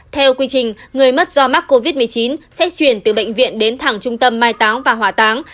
theo quy trình người mất do mắc covid một mươi chín sẽ chuyển từ bệnh viện đến thẳng trung tâm mai táng và hỏa táng